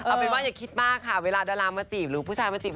เอาเป็นว่าอย่าคิดมากค่ะเวลาดารามาจีบหรือผู้ชายมาจีบ